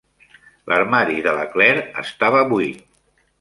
L'armari de la Claire estava buit.